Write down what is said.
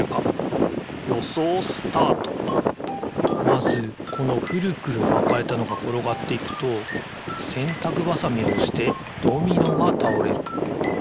まずこのくるくるまかれたのがころがっていくとせんたくばさみをおしてドミノがたおれる。